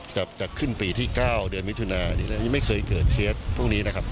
จะขึ้นปีที่๙เดือนมิถุนายังไม่เคยเกิดเคสพวกนี้นะครับ